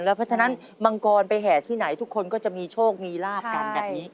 เพราะฉะนั้นมังกรไปแห่ที่ไหนทุกคนก็จะมีโชคมีลาบกันแบบนี้